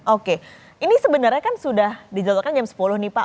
oke ini sebenarnya kan sudah dijatuhkan jam sepuluh nih pak